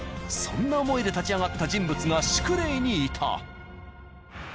そんな思いで立ち上がった人物が「シュクレイ」にいた。